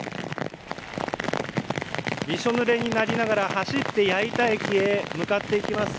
びしょぬれになりながら走って矢板駅へ向かっていきます。